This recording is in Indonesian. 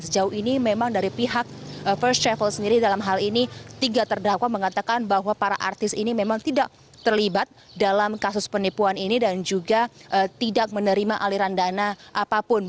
dan sejauh ini memang dari pihak first travel sendiri dalam hal ini tiga terdakwa mengatakan bahwa para artis ini memang tidak terlibat dalam kasus penipuan ini dan juga tidak menerima aliran dana apapun